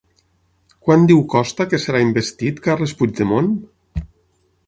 Quan diu Costa que serà investit Carles Puigdemont?